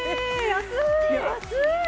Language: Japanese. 安い！